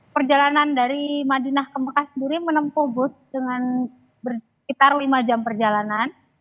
perjalanan dari madinah ke mekah sendiri menempuh bus dengan berkitar lima jam perjalanan